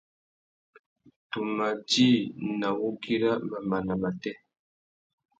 Tu mà djï nà wugüira mamana matê.